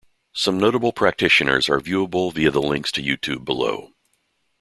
Some notable practitioners are viewable via the links to YouTube below.